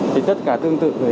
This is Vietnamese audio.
thì tất cả tương tự